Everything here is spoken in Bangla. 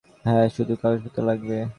হ্যাঁ, শুধু কাগজপত্র লাগবে।